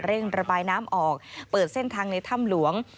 ระบายน้ำออกเปิดเส้นทางในถ้ำหลวง